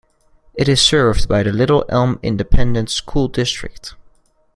It is served by the Little Elm Independent School District.